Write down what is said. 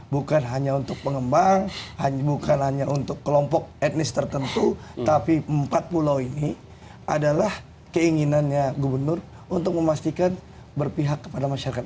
bukan hanya untuk pengembang bukan hanya untuk kelompok etnis tertentu tapi empat pulau ini adalah keinginannya gubernur untuk memastikan berpihak kepada masyarakat